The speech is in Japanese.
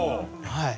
はい。